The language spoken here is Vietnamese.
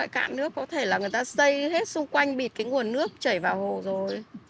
cạn nước có thể là người ta xây hết xung quanh bịt cái nguồn nước chảy vào hồ rồi